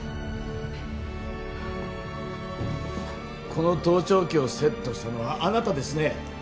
この盗聴器をセットしたのはあなたですね？